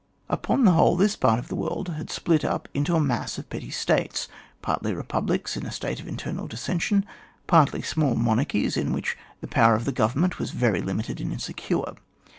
Upon the whole, this part of the world had split up into a mass of petty States, nartly republics in a state of internal dissension, partly small monarchies in which the power of the government was very linuted and insecure.